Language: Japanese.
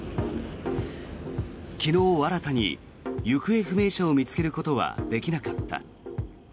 昨日、新たに行方不明者を見つけることはできなかった。